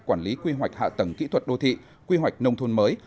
quản lý quy hoạch hạ tầng kỹ thuật đô thị quy hoạch nông thôn mới